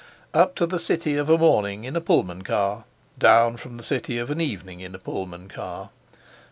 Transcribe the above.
Up to the City of a morning in a Pullman car, down from the City of an evening in a Pullman car.